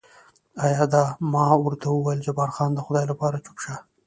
ایا دا؟ ما ورته وویل جبار خان، د خدای لپاره چوپ شه.